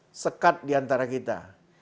tidak ada sekat di antara kita